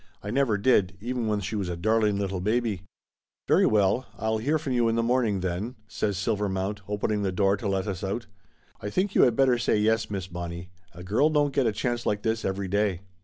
I never did, even when she was a darling little baby!" "Very well, I'll hear from you in the morning then," 190 Laughter Limited says Silvermount, opening the door to let us out. "I think you had better say yes, Miss Bonnie. A girl don't get a chance like this every day."